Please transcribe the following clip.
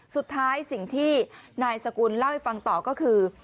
สิ่งที่นายสกุลเล่าให้ฟังต่อก็คือ